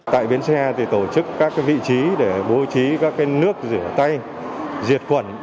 tại bến xe thì tổ chức các vị trí để bố trí các nước rửa tay diệt khuẩn